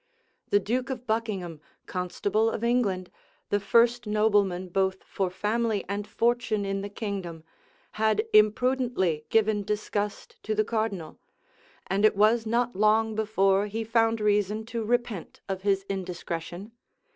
The duke of Buckingham, constable of England, the first nobleman both for family and fortune in the kingdom, had imprudently given disgust to the cardinal; and it was not long before he found reason to repent of his indiscretion.